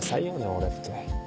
俺って。